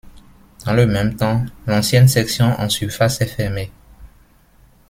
Dans le même temps l'ancienne section en surface est fermée.